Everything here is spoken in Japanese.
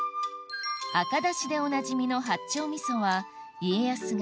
赤だしでおなじみの八丁味噌は家康が